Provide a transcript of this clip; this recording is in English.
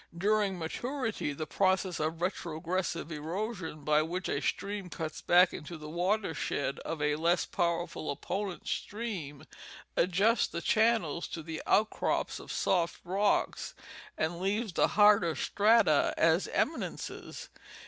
During matui'ity the process of retrogressive erosion, by which a stream cuts back into the watershed of a less powerful opponent stream, adjusts the channels to the outcrops of soft rocks and leaves the harder strata as eminences.